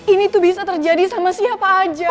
ini tuh bisa terjadi sama siapa aja